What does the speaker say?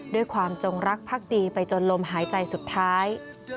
จงรักพักดีไปจนลมหายใจสุดท้าย